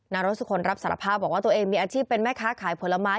รสสุคนรับสารภาพบอกว่าตัวเองมีอาชีพเป็นแม่ค้าขายผลไม้